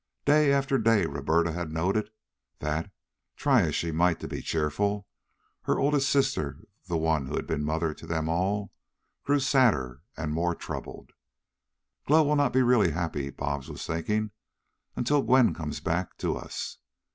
Day after day Roberta had noted that, try as she might to be cheerful, her oldest sister, the one who had been Mother to them all, grew sadder and more troubled. "Glow will not be really happy," Bobs was thinking, "until Gwen comes back to us.